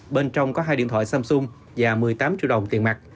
bên trong có hai điện thoại samsung và một mươi tám triệu đồng tiền mặt